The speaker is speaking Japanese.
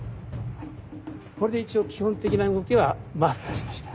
これで一応基本的な動きはマスターしました。